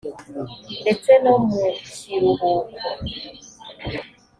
ndetse no mukiruhuko